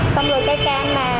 xong rồi cái cam mà